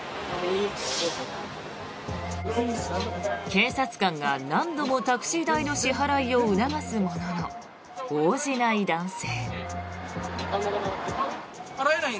警察官が何度もタクシー代の支払いを促すものの応じない男性。